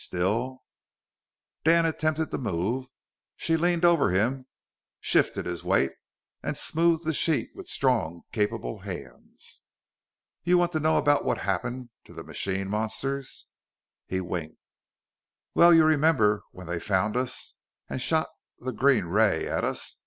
Still " Dan attempted to move. She leaned over him, shifted his weight and smoothed the sheet with strong, capable hinds. "You want to know about what happened to the machine monsters?" He winked. "Well, you remember when they found us, and shot the green ray at us.